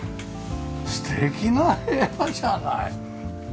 素敵な部屋じゃない！